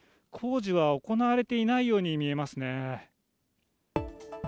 工事は行われていないように見えますね。